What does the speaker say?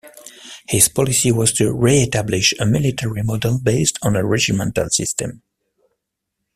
His policy was to re-establish a military model based on a regimental system.